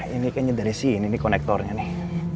ini kayaknya dari sini nih konektornya nih